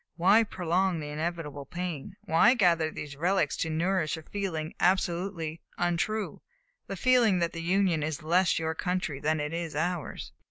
Why prolong the inevitable pain? Why gather these relics to nourish a feeling absolutely untrue the feeling that the Union is less your country than it is ours?"